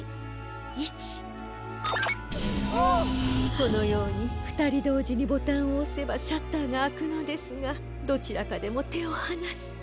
このようにふたりどうじにボタンをおせばシャッターがあくのですがどちらかでもてをはなすと。